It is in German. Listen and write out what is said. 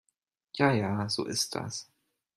Ja ja, so ist das.